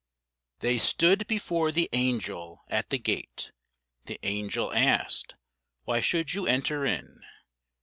THEY stood before the Angel at the gate; The Angel asked: "Why should you enter in?"